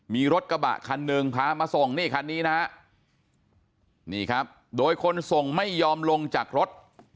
มีรถกระบะคันหนึ่งพามาส่งนี่คันนี้นะฮะนี่ครับโดยคนส่งไม่ยอมลงจากรถ